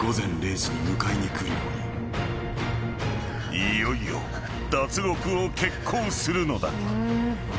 ［いよいよ脱獄を決行するのだ］